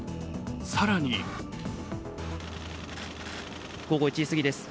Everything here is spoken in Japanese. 更に午後１時過ぎです。